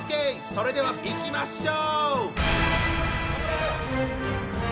それではいきましょう！